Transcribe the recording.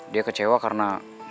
dia kecewa karena